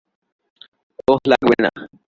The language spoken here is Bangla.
ওহ, লাগবে না।